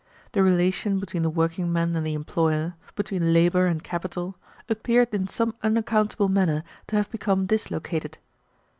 The relation between the workingman and the employer, between labor and capital, appeared in some unaccountable manner to have become dislocated.